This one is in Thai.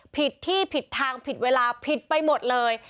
ผิดที่ผิดทางผิดเวลาผิดไปหมดเลย